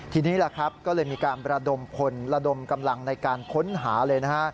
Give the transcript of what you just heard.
ทีนี้ก็เลยมีการระดมคนระดมกำลังในการค้นหาเลย